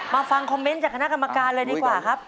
ฟังคอมเมนต์จากคณะกรรมการเลยดีกว่าครับ